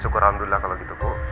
syukur alhamdulillah kalau gitu bu